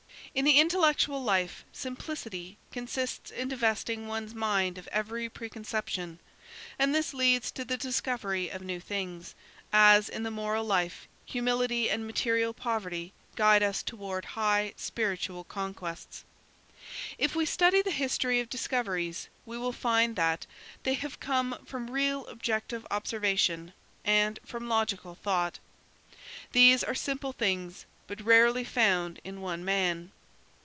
In the intellectual life simplicity consists in divesting one's mind of every preconception, and this leads to the discovery of new things, as, in the moral life, humility and material poverty guide us toward high spiritual conquests. If we study the history of discoveries, we will find that they have come from real objective observation and from logical thought. These are simple things, but rarely found in one man.